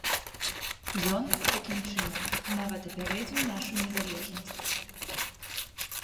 Ён, такім чынам, нават апярэдзіў нашу незалежнасць.